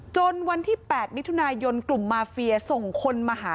วันที่๘มิถุนายนกลุ่มมาเฟียส่งคนมาหา